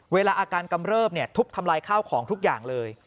เวลาอาการกำเริบทุบทำลายข้าวของทุกอย่างเลย